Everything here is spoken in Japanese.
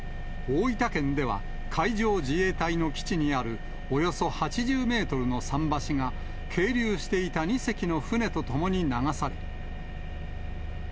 大分県では、海上自衛隊の基地にあるおよそ８０メートルの桟橋が、係留していた２隻の船と共に流され。